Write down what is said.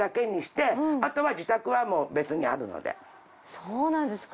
そうなんですか。